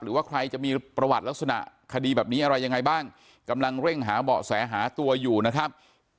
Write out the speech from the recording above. หรือว่าใครจะมีประวัติลักษณะคดีแบบนี้อะไรยังไงบ้างกำลังเร่งหาเบาะแสหาตัวอยู่นะครับ